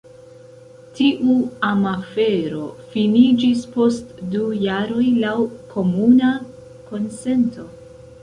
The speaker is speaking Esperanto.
Tiu amafero finiĝis post du jaroj laŭ komuna konsento.